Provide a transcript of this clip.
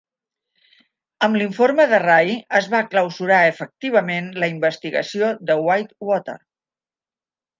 Amb l'informe de Ray es va clausurar efectivament la investigació de Whitewater.